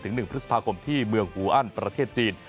๑พฤษภาคมที่เมืองฮูอันประเทศจีน